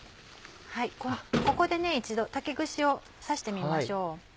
ここで一度竹串を刺してみましょう。